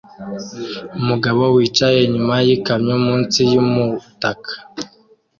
Umugabo wicaye inyuma yikamyo munsi yumutaka